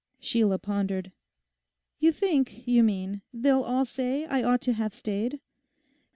Sheila pondered. 'You think, you mean, they'll all say I ought to have stayed.